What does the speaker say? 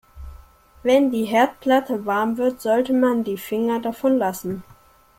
Wenn die Herdplatte warm wird, sollte man die Finger davon lassen.